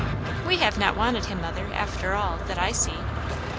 "We have not wanted him, mother, after all, that I see."